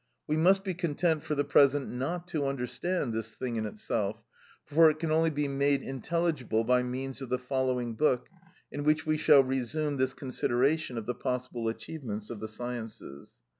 We must be content for the present not to understand this thing in itself, for it can only be made intelligible by means of the following book, in which we shall resume this consideration of the possible achievements of the sciences.